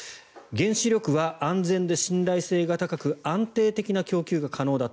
原子力は安全で信頼性が高く安定的な供給が可能だ。